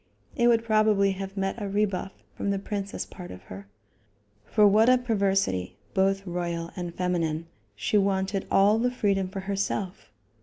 It would probably have met a rebuff from the princess part of her; for what a perversity, both royal and feminine, she wanted all the freedom for herself.